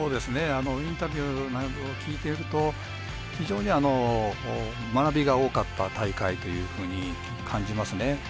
インタビューなんかを聞いていると非常に学びが多かった大会というふうに感じますね。